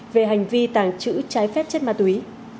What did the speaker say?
về hành vi tàng trữ trái phép chất ma túy